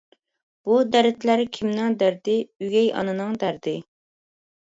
بۇ دەردلەر كىمنىڭ دەردى؟ ئۆگەي ئانىنىڭ دەردى.